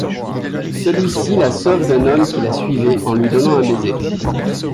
Celui-ci la sauve d'un homme qui la suivait en lui donnant un baiser.